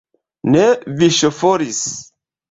Ne vi ŝoforis!